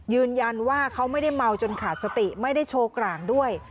ยืนยันว่าเขาไม่ได้เมาจนขาดสติไม่ได้โชว์กลางด้วย